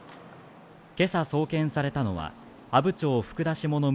今朝送検されたのは阿武町福田下の